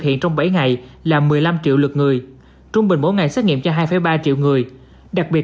hiện trong bảy ngày là một mươi năm triệu lượt người trung bình mỗi ngày xét nghiệm cho hai ba triệu người đặc biệt